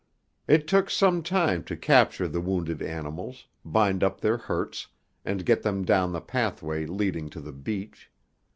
It took some time to capture the wounded animals, bind up their hurts, and get them down the pathway leading to the beach.